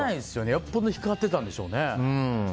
よっぽど光ってたんですね。